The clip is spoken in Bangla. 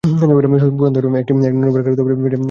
পুরন্দর একবার ননির দিকে অগ্নিকটাক্ষ ফেলিয়া চালিয়া গেল।